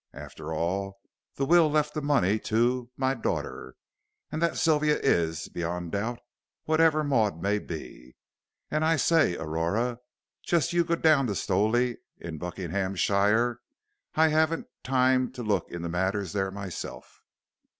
After all, the will left the money to 'my daughter,' and that Sylvia is beyond doubt, whatever Maud may be. And I say, Aurora, just you go down to Stowley in Buckinghamshire. I haven't time to look into matters there myself."